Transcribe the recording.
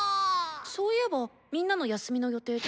そういえばみんなの休みの予定って。